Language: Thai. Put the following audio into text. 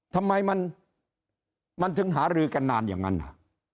ทำไมมันถึงหารือกันนานอย่างนั้นน่ะ